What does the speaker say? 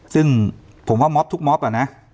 ซึ่งผมว่ามอบทุกม็อบอะนะ